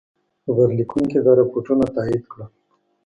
خبرلیکونکي دا رپوټونه تایید کړل.